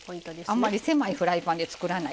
あんまり狭いフライパンで作らない。